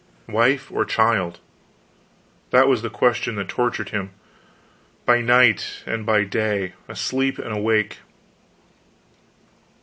wife, or child? That was the question that tortured him, by night and by day, asleep and awake.